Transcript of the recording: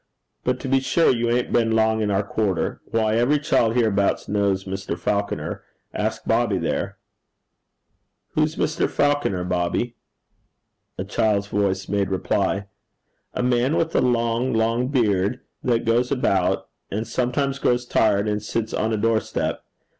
But to be sure you 'ain't been long in our quarter. Why, every child hereabouts knows Mr. Falconer. Ask Bobby there.' 'Who's Mr. Falconer, Bobby?' A child's voice made reply, 'A man with a long, long beard, that goes about, and sometimes grows tired and sits on a door step.